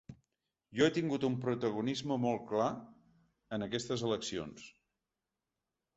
Jo he tingut un protagonisme molt clar en aquestes eleccions.